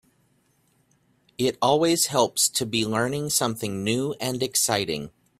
It always helps to be learning something new and exciting.